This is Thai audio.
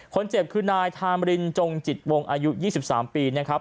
คนเจ็บคือนายทามรินจงจิตวงอายุ๒๓ปีนะครับ